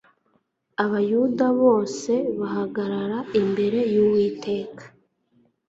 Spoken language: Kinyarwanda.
ahubwo Abayuda bose bahagarara imbere yUwiteka